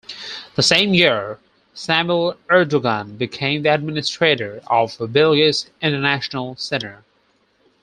The same year, Samil Erdogan became the administrator of Bilgi's International Center.